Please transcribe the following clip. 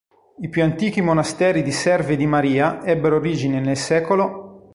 I più antichi monasteri di serve di Maria ebbero origine nel sec.